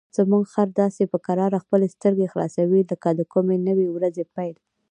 زموږ خر داسې په کراره خپلې سترګې خلاصوي لکه د کومې نوې ورځې پیل.